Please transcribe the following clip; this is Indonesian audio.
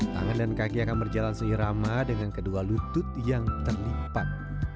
tangan dan kaki akan berjalan seirama dengan kedua lutut yang terlipat